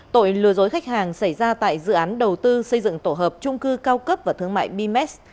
tội lừa dối khách hàng xảy ra tại dự án đầu tư xây dựng tổ hợp trung cư cao cấp và thương mại bms